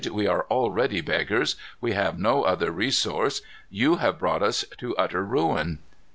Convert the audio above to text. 'We are already beggars. We have no other resource. You have brought us to utter ruin.